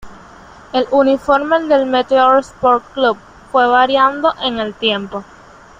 El uniforme del Meteor Sport Club fue variando en el tiempo.